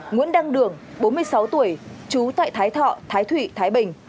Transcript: nguyễn đăng đường bốn mươi sáu tuổi trú tại thái thọ thái thụy thái bình